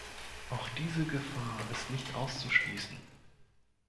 Auch diese Gefahr ist nicht auszuschließen.